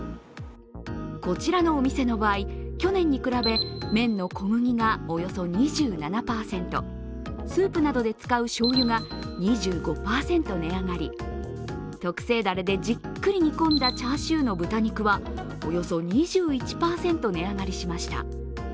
こちらのお店の場合、去年に比べ麺の小麦がおよそ２７％スープなどで使うしょうゆが２５％値上がり、特製ダレでじっくり煮込んだチャーシューの豚肉はおよそ２１％値上がりしました。